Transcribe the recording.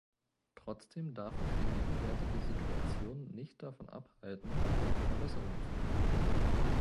Trotzdem darf uns die gegenwärtige Situation nicht davon abhalten, nach Verbesserungen zu suchen.